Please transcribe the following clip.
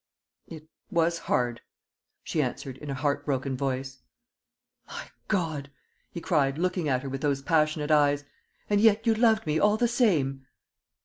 "It was hard," she answered, in a heart broken voice. "My God!" he cried, looking at her with those passionate eyes, "and yet you loved me all the time?"